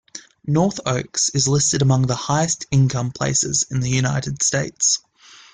North Oaks is listed among the highest-income places in the United States.